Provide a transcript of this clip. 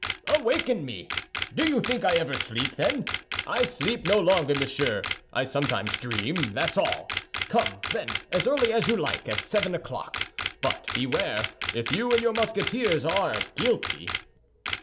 "Awaken me! Do you think I ever sleep, then? I sleep no longer, monsieur. I sometimes dream, that's all. Come, then, as early as you like—at seven o'clock; but beware, if you and your Musketeers are guilty."